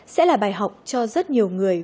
sẽ là bài học cho rất nhiều người